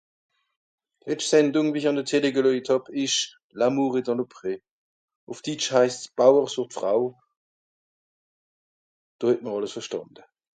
D' letscht Sendung wie ich àn de Télé gelöjt hàb isch l'Amour est dans le pré, uff dítsch heisst 's Bauer sucht Frau. Do het m'r àlles verstànde.